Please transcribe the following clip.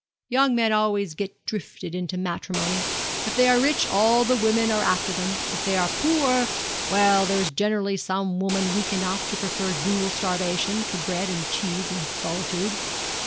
'Young men always get drifted into matrimony. If they are rich all the women are after them, If they are poor well, there is generally some woman weak enough to prefer dual starvation to bread and cheese and solitude.